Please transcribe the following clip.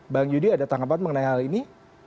bang yudi ada tanggapan mengenai hal ini